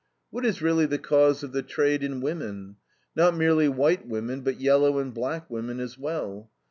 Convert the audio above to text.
What is really the cause of the trade in women? Not merely white women, but yellow and black women as well.